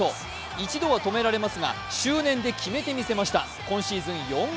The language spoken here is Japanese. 一度は止められますが執念で決めてみせました。